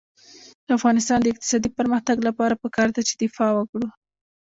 د افغانستان د اقتصادي پرمختګ لپاره پکار ده چې دفاع وکړو.